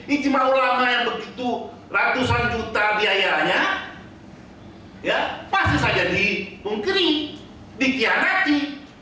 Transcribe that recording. ini cuma ulama yang begitu ratusan juta biayanya ya pasti saja dipungkiri dikhianati